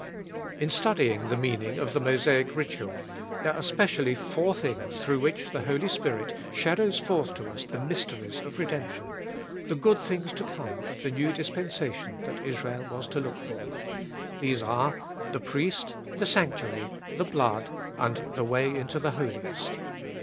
IN studying the meaning of the Mosaic ritual, there are specially four things, through which the Holy Spirit shadows forth to us the mysteries of redemption, the good things to come of the new dispensation that Israel was to look for. These are THE PRIEST, THE SANCTUARY, THE BLOOD, and THE WAY INTO THE HOLIEST.